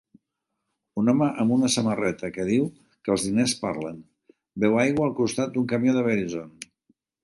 Un home amb una samarreta que diu que els diners parlen, beu aigua al costat d'un camió de Verizon.